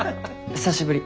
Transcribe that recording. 久しぶり。